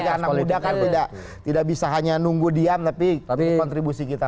karena anak muda kan tidak bisa hanya nunggu diam tapi kontribusi kita lah